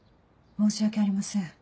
申し訳ありません。